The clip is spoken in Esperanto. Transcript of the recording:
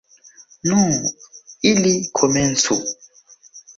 Nu, ili komencu!